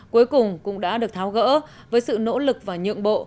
cuối cùng cũng đã được tháo gỡ với sự nỗ lực và nhượng bộ